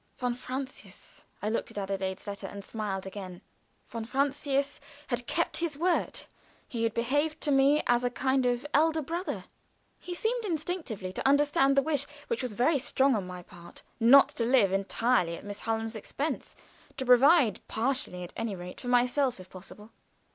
Von Francius I looked at Adelaide's letter, and smiled again. Von Francius had kept his word; he had behaved to me as a kind elder brother. He seemed instinctively to understand the wish, which was very strong on my part, not to live entirely at Miss Hallam's expense to provide, partially at any rate, for myself, if possible.